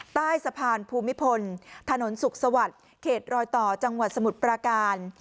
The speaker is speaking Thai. ใต้สะพานภูมิพลถนนสุขสวัสดิ์เขตรอยต่อจังหวัดสมุทรปราการ